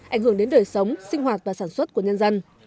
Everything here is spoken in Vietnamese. ảnh hưởng đến đời sống sinh hoạt và sản xuất của nhân dân